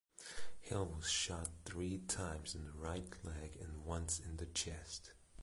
Hill was shot three times in the right leg and once in the chest.